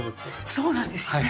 そうなんですよね。